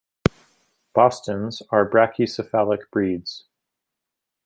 Bostons are brachycephalic breeds.